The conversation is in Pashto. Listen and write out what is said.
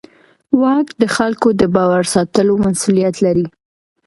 واک د خلکو د باور ساتلو مسوولیت لري.